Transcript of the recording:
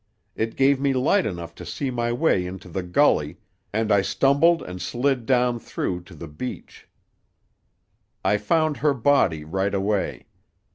It gave me light enough to see my way into the gully, and I stumbled and slid down through to the beach. "I found her body right away.